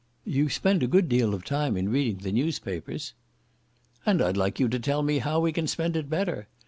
"You spend a good deal of time in reading the newspapers." "And I'd like you to tell me how we can spend it better.